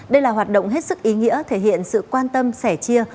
đây là hoạt động hết sức ý nghĩa thể hiện sự quan tâm sẻ chia